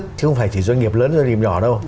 chứ không phải chỉ doanh nghiệp lớn doanh nghiệp nhỏ đâu